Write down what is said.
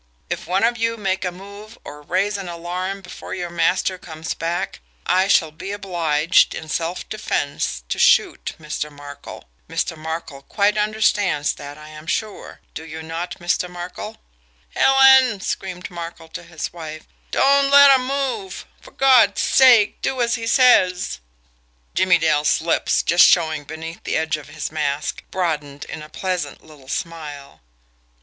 "If one of you make a move or raise an alarm before your master comes back, I shall be obliged, in self defence, to shoot Mr. Markel. Mr. Markel quite understands that I am sure. Do you not, Mr. Markel?" "Helen," screamed Markel to his wife, "don't let 'em move! For God's sake, do as he says!" Jimmie Dale's lips, just showing beneath the edge of his mask, broadened in a pleasant little smile.